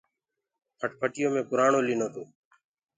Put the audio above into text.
موٽر سيڪل مينٚ پُرآڻو ليٚنو تو۔